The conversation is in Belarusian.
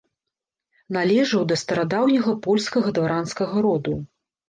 Належаў да старадаўняга польскага дваранскага роду.